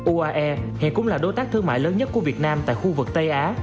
uae hiện cũng là đối tác thương mại lớn nhất của việt nam tại khu vực tây á